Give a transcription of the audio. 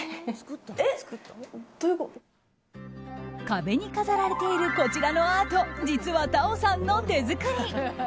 壁に飾られているこちらのアート実はＴａｏさんの手作り。